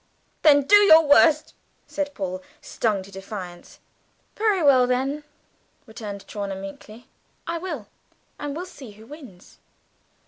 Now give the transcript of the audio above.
"Then do your worst!" said Paul, stung to defiance. "Very well, then," returned Chawner meekly, "I will and we'll see who wins!"